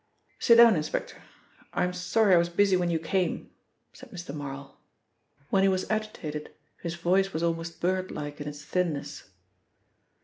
"Sit down, inspector. I'm sorry I was busy when you came," said Mr. Marl. When he was agitated his voice was almost bird like in its thinness.